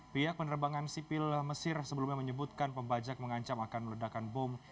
pihak penerbangan sipil mesir sebelumnya menyebutkan pembajak mengancam akan meledakan bom